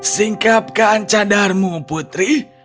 singkapkan cadarmu putri